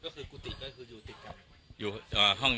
ก็คืออยู่ติดกัน